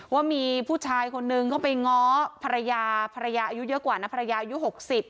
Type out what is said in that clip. ว่ามีผู้ชายคนนึงเข้าไปง้อภรรยาภรรยาอายุเยอะกว่านะภรรยาอายุหกสิบ